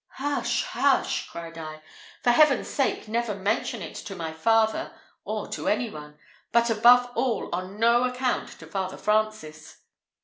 "Hush, hush!" cried I; "for Heaven's sake, never mention it to my father, or to any one; but, above all, on no account to Father Francis."